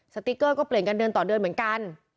สติ๊กเกอร์ก็เปลี่ยนกันเดือนต่อเดือนเหมือนกัน